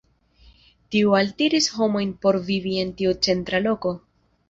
Tiu altiris homojn por vivi en tiu centra loko.